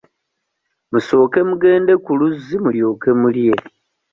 Musooke mugende ku luzzi mulyoke mulye.